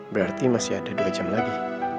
berarti masih ada dua jam lagi